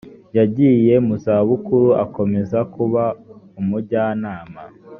yagiye muzabukuru akomeza kuba umujyanama